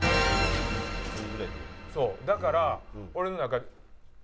だから俺の中。